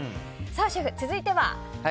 シェフ、続いては？